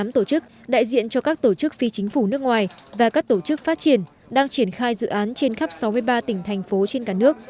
tám tổ chức đại diện cho các tổ chức phi chính phủ nước ngoài và các tổ chức phát triển đang triển khai dự án trên khắp sáu mươi ba tỉnh thành phố trên cả nước